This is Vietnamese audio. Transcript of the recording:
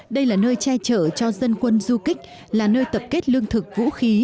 đây là nơi che chở cho dân quân du kích là nơi tập kết lương thực vũ khí